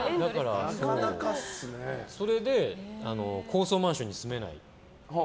それで高層マンションに住めない。